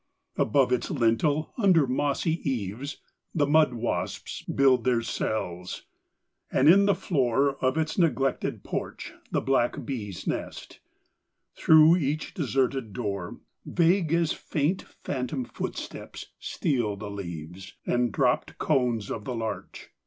Above its lintel, under mossy eaves, The mud wasps build their cells; and in the floor Of its neglected porch The black bees nest: through each deserted door, Vague as faint, phantom footsteps, steal the leaves And dropped cones of the larch.